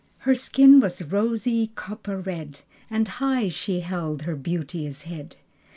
Her skin was rosy copper red. And high she held her beauteous head.